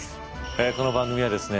この番組はですね